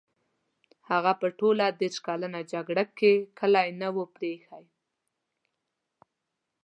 هغه په ټوله دېرش کلنه جګړه کې کلی نه وو پرې ایښی.